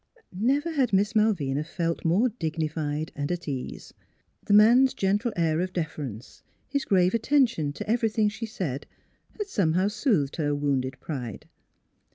Never had Miss Malvina felt more dignified and at ease. The man's gentle air of deference, his grave attention to everything she said had somehow soothed her wounded pride.